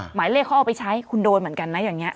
หมายเลขเขาเอาไปใช้คุณโดนเหมือนกันนะอย่างนี้